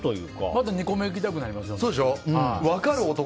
また２個目いきたくなりますよね。